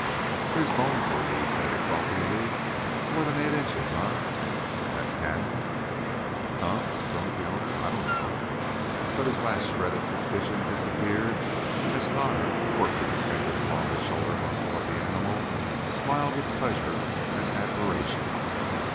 "There's bone for you," he said exultantly. "More than eight inches, eh that Cannon?" "Huh," grunted the owner, "I dunno." But his last shred of suspicion disappeared as Connor, working his fingers along the shoulder muscles of the animal, smiled with pleasure and admiration.